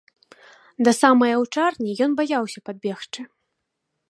Да самай аўчарні ён баяўся падбегчы.